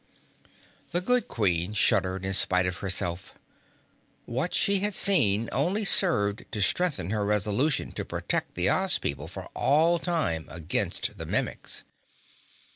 The good Queen shuddered in spite of herself. What she had seen had only served to strengthen her resolution to protect the Oz people for all time against the Mimics.